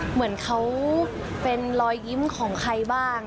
เหมือนเขาเป็นรอยยิ้มของใครบ้าง